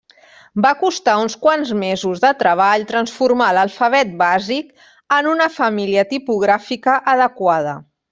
Va costar uns quants mesos de treball transformar l'alfabet bàsic en una família tipogràfica adequada.